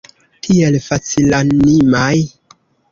Tiel facilanimaj!